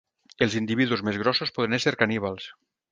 Els individus més grossos poden ésser caníbals.